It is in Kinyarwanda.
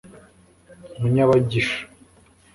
Munyabagisha